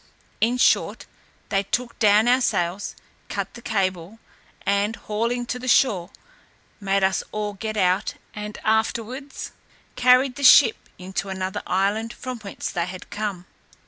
In short, they took down our sails, cut the cable, and hauling to the shore, made us all get out, and afterwards carried the ship into another island from whence they had come.